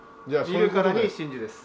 見るからに真珠です。